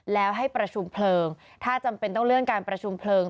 แล้วให้ประชุมเพลิงถ้าจำเป็นต้องเลื่อนการประชุมเพลิง